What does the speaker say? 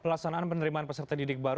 pelaksanaan penerimaan peserta didik baru